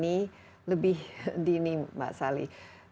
tidak mengangani lebih dini mbak salli